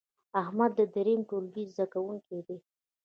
احمد د دریم ټولګې زده کوونکی دی.